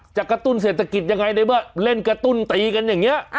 กระตุ้นเศรษฐกิจยังไงในเมื่อเล่นกระตุ้นตีกันอย่างนี้